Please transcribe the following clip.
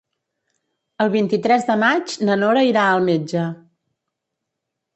El vint-i-tres de maig na Nora irà al metge.